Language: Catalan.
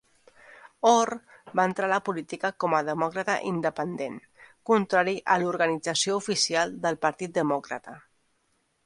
Orr va entrar a la política com a "demòcrata independent", contrari a l'organització oficial del Partit Demòcrata.